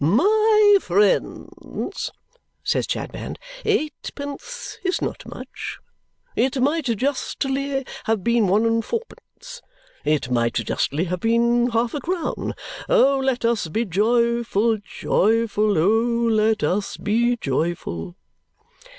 "My friends," says Chadband, "eightpence is not much; it might justly have been one and fourpence; it might justly have been half a crown. O let us be joyful, joyful! O let us be joyful!"